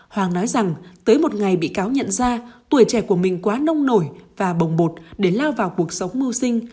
hoàng nói rằng tới một ngày bị cáo nhận ra tuổi trẻ của mình quá nông nổi và bồng bột để lao vào cuộc sống mưu sinh